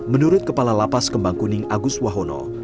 menurut kepala lapas kembang kuning agus wahono